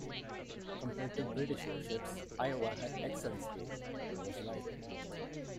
Compared to British warships, "Iowa" had excellent speed--but was lighter.